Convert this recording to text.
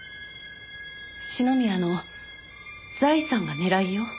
篠宮の財産が狙いよ。